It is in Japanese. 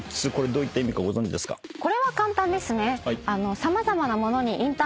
これは簡単ですね。